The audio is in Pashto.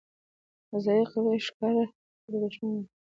ځان قوي ښکاره که! دوښمن مو غواړي تاسي کمزوري وویني.